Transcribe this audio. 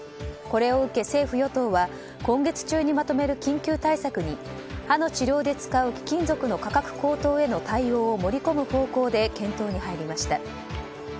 これを受け政府・与党は今月中にまとめる緊急対策に歯の治療で使う貴金属の価格高騰への対応を盛り込む方向で検討に入りました。